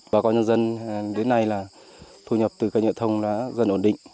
bà con nhân dân đến nay là thu nhập từ cây nhựa thông đã dần ổn định